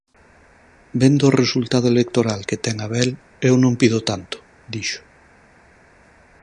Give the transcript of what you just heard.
"Vendo o resultado electoral que ten Abel, eu non pido tanto", dixo.